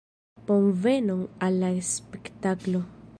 Bonvenon al la spektaklo!